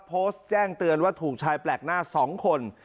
โพสต์แจ้งเตือนว่าถูกชายแปลกหน้า๒คน